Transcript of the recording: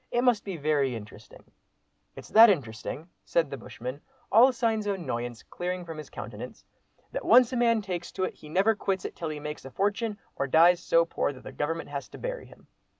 It must be very interesting." "It's that interesting," said the bushman, all signs of annoyance clearing from his countenance, "that once a man takes to it he never quits it till he makes a fortune or dies so poor that the Government has to bury him.